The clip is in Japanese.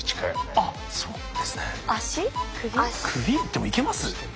でもいけます？